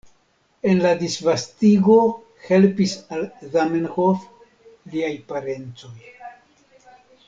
En la disvastigo helpis al Zamenhof liaj parencoj.